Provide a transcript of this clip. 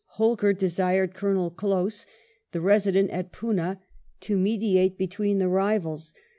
Holkar desired Colonel Close, the resident at Poona, to mediate between the rivals.